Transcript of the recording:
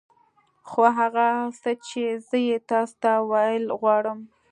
خو هغه څه چې زه يې تاسو ته ويل غواړم.